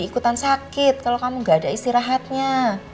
ikutan sakit kalau kamu gak ada istirahatnya